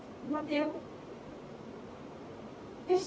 よし！